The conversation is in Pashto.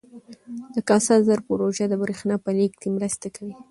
د کاسا زر پروژه د برښنا په لیږد کې مرسته کوي.